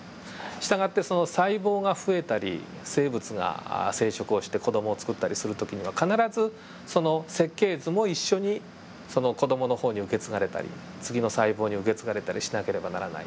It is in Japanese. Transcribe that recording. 従ってその細胞が増えたり生物が生殖をして子どもをつくったりする時には必ずその設計図も一緒にその子どもの方に受け継がれたり次の細胞に受け継がれたりしなければならない。